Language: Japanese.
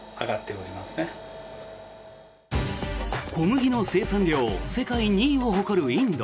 小麦の生産量世界２位を誇るインド。